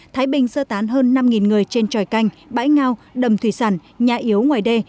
thái bình sơ tán hơn năm người trên tròi canh bãi ngao đầm thủy sản nhà yếu ngoài đê